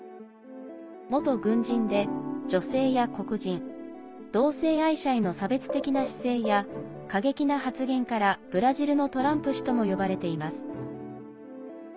元軍人で、女性や黒人同性愛者への差別的な姿勢や過激な発言から「ブラジルのトランプ氏」とも呼ばれています。